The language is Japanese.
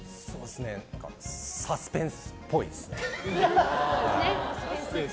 サスペンスっぽいですね。